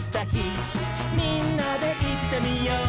「みんなでいってみよう」